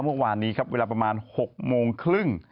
เมื่อวานนี้ครับเวลาประมาณ๖โมงครึ่ง